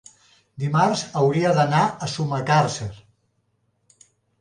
Dimarts hauria d'anar a Sumacàrcer.